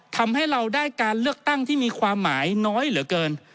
ทำให้เราได้การเลือกตั้งที่มีความหมายน้อยเหลือเกิน